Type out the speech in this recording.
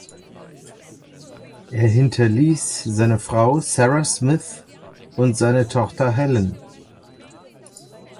Er hinterließ seine Frau Sarah Smith und seine Tochter Helen.